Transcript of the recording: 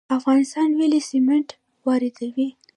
افغانستان ولې سمنټ واردوي؟